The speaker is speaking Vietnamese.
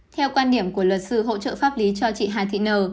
theo quan điểm của luật sư hỗ trợ pháp lý cho chị hà thị nờ